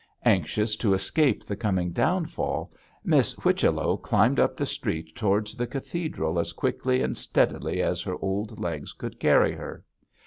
Anxious to escape the coming downfall, Miss Whichello climbed up the street towards the cathedral as quickly and steadily as her old legs could carry her.